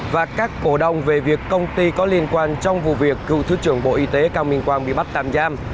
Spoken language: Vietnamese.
và các cổ đồng về việc công ty có liên quan trong vụ việc cựu thứ trưởng bộ y tế cao minh quang bị bắt tạm giam